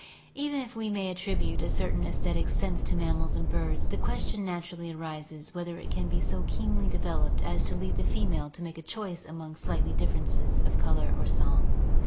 Even if we may attribute a certain aesthetic sense to mammals and birds, the question naturally arises whether it can be so keenly developed as to lead the female to make a choice among slight differences of color or song.